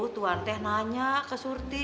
tuhan teh nanya ke surti